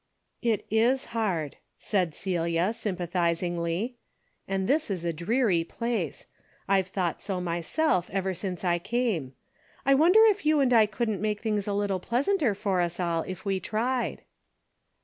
" It^^^hard,'" said Celia, sympathizingly, and this is a dreary place. I've thought so myself, ever since I came. I wonder if you and I couldn't make things a little pleasanter for us all, if we tried."